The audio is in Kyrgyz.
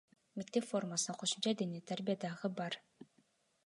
Мектеп формасына кошумча дене тарбия дагы бар да.